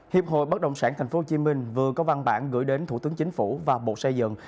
hiệp hội bất động sản tp hcm vừa có văn bản gửi đến thủ tướng chính phủ và bộ xây dựng